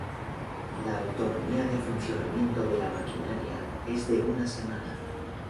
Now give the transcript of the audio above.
La autonomía de funcionamiento de la maquinaria es de una semana.